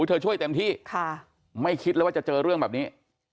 เธอช่วยเต็มที่ไม่คิดเลยว่าจะเจอเรื่องแบบนี้